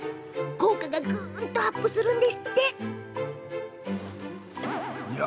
効果が、ぐんとアップするんですってよ。